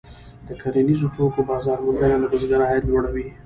د کرنیزو توکو بازار موندنه د بزګر عاید لوړوي.